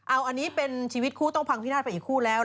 อันนี้เป็นชีวิตคู่ต้องพังพินาศไปอีกคู่แล้ว